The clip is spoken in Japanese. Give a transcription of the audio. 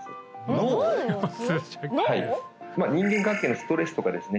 はいまあ人間関係のストレスとかですね